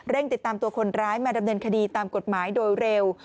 ติดตามตัวคนร้ายมาดำเนินคดีตามกฎหมายโดยเร็ว